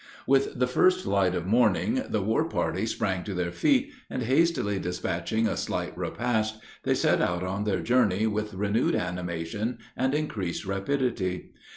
With the first light of morning, the war party sprang to their feet, and hastily despatching a slight repast, they set out on their journey with renewed animation and increased rapidity.